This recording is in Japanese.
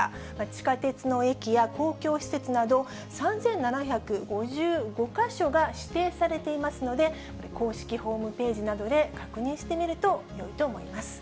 地下鉄の駅や、公共施設など３７５５か所が指定されていますので、公式ホームページなどで確認してみるとよいと思います。